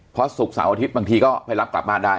เพราะศุกร์เสาร์อาทิตย์บางทีก็ไปรับกลับบ้านได้